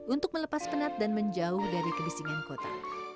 untuk melepas penat dan menjauh dari kebisingan kota